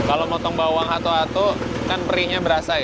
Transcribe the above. hai kalau ongkong bawang ato atok dan perihnya berasai